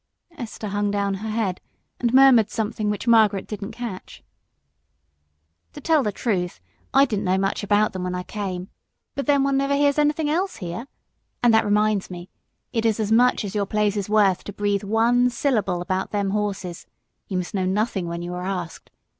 Esther hung down her head and murmured something which Margaret didn't catch. "To tell the truth, I didn't know much about them when I came, but then one never hears anything else here. And that reminds me it is as much as your place is worth to breathe one syllable about them horses; you must know nothing when you are asked.